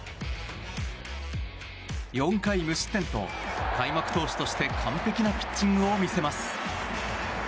４回無失点と開幕投手として完璧なピッチングを見せます。